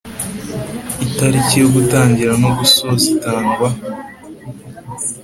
Itariki yo gutangira no gusoza itangwa